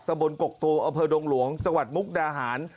บนกกตูอำเภอดงหลวงจังหวัดมุกดาหาร